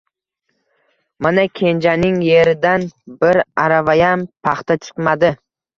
Mana Kenjaning yeridan bir aravayam paxta chiqmadi.